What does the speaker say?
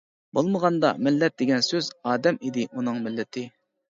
بولمىغاندا «مىللەت» دېگەن سۆز، «ئادەم» ئىدى ئۇنىڭ مىللىتى.